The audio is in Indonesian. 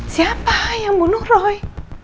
siapa yang bunuh roy